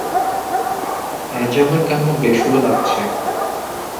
আজ আমার কান্না বেসুরো লাগছে।